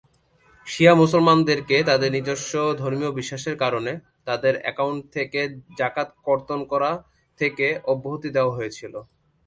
শিয়া মুসলমানদেরকে তাদের নিজস্ব ধর্মীয় বিশ্বাসের কারণে তাদের অ্যাকাউন্ট থেকে যাকাত কর্তন করা থেকে অব্যাহতি দেওয়া হয়েছিল।